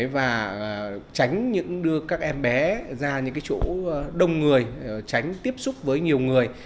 và tránh đưa các em bé ra những chỗ đông người tránh tiếp xúc với nhiều người